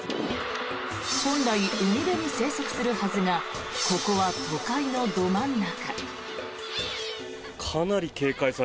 本来、海辺に生息するはずがここは都会のど真ん中。